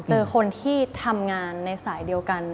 เจอคนที่ทำงานในสายเดียวกัน